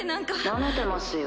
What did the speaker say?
なめてますよ。